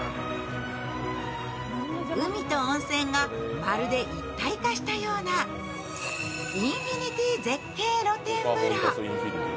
海と温泉がまるで一体化したような、インフィニティ絶景露天風呂。